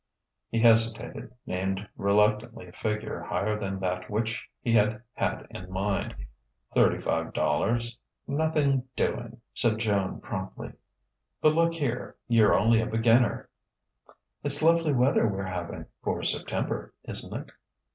He hesitated: named reluctantly a figure higher than that which he had had in mind: "Thirty five dollars...." "Nothing doing," said Joan promptly. "But look here: you're only a beginner " "It's lovely weather we're having, for September, isn't it?"